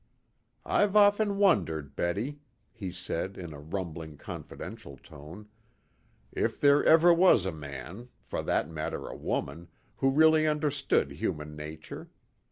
"I've often wondered, Betty," he said, in a rumbling, confidential tone, "if there ever was a man, or for that matter a woman, who really understood human nature.